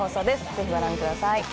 ぜひご覧ください